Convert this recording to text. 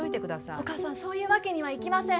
お母さんそういうわけにはいきません。